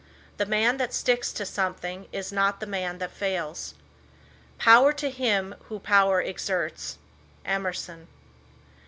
The man that sticks to something is not the man that fails. "Power to him who power exerts." Emerson.